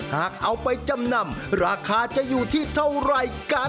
หากเอาไปจำนำราคาจะอยู่ที่เท่าไหร่กัน